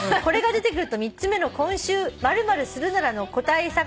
これが出てくると３つ目の『今週○○するなら』の答え